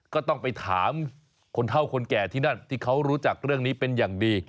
ก็ต้องไปถามคนเท่าคนแก่ที่นั่นที่เขารู้จักเรื่องนี้เป็นอย่างดี